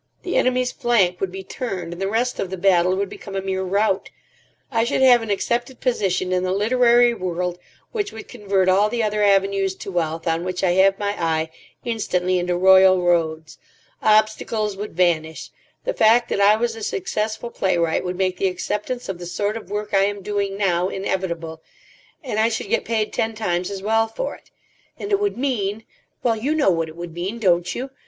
The enemy's flank would be turned, and the rest of the battle would become a mere rout. I should have an accepted position in the literary world which would convert all the other avenues to wealth on which I have my eye instantly into royal roads. Obstacles would vanish. The fact that I was a successful playwright would make the acceptance of the sort of work I am doing now inevitable, and I should get paid ten times as well for it. And it would mean—well, you know what it would mean, don't you?